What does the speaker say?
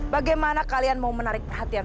bagaimana kalian mau menarik hati hati